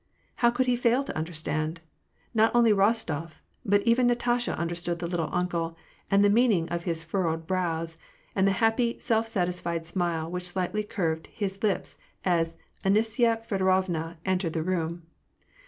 ^Tow could he fail to understand ? Not only Rostof, but even Natasha understood the " little uncle " and the mean ing of his furrowed brows, and the happy, self satisfied smile which slightly curved his lips as Anisya Feodorovna entered the room.